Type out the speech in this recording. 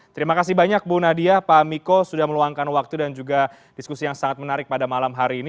terima kasih banyak bu nadia pak miko sudah meluangkan waktu dan juga diskusi yang sangat menarik pada malam hari ini